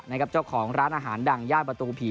นะครับเจ้าของร้านอาหารดังยาดประตูผี